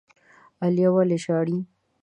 عالیه ولي ژاړي؟